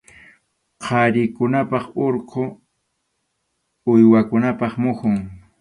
Qharikunapa urqu uywakunapa muhun.